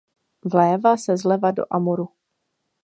Vlévá se zleva do Amuru.